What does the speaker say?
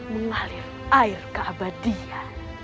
mengalir air keabadian